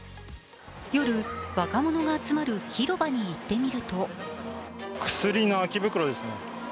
夜、若者が集まる広場に行ってみると薬の空き袋ですね。